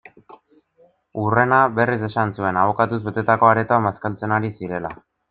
Hurrena, berriz esan zuen, abokatuz betetako aretoan bazkaltzen ari zirela.